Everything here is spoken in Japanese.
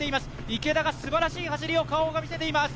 池田がすばらしい走り、Ｋａｏが見せています。